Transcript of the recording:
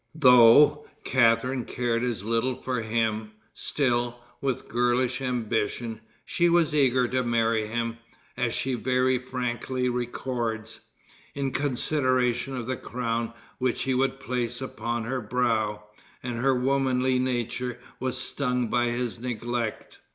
Though Catharine cared as little for him, still, with girlish ambition, she was eager to marry him, as she very frankly records, in consideration of the crown which he would place upon her brow, and her womanly nature was stung by his neglect.